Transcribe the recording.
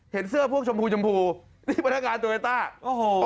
เสื้อพวกชมพูชมพูนี่พนักงานโตเวต้าโอ้โห